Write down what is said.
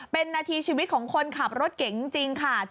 เป็นนาทีชีวิตของคนขับรถเก่งจริงค่ะ